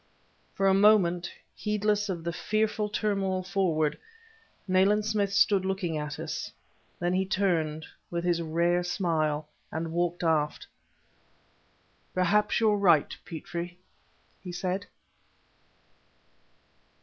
For a moment, heedless of the fearful turmoil forward, Nayland Smith stood looking at us. Then he turned, with his rare smile, and walked aft. "Perhaps you're right, Petrie!" he said.